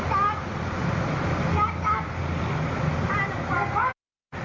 เป็นใคร